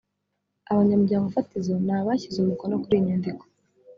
abanyamuryango fatizo ni abashyize umukono kuri iyi nyandiko